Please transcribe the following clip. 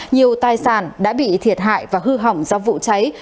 nhiều tài sản đã bị thiệt hại và hư hỏng do vụ cháy